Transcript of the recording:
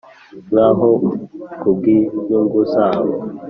nkaho kubwinyungu zabo,